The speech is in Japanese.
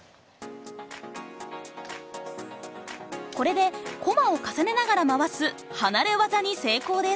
これでコマを重ねながら回す離れ業に成功です。